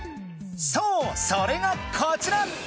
そうそれがこちら。